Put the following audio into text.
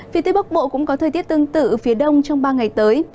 phía tây bắc bộ cũng có thời tiết tương tự phía đông trong ba ngày tới